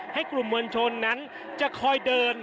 ให้กลุ่มมวลชนนั้นจะคอยเดิน